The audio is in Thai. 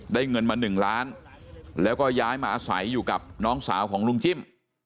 เงินมา๑ล้านแล้วก็ย้ายมาอาศัยอยู่กับน้องสาวของลุงจิ้ม